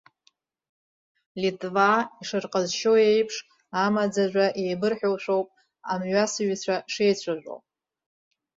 Литваа ишырҟазшьоу еиԥш, амаӡажәа еибырҳәоушәоуп амҩасыҩцәа шеицәажәо.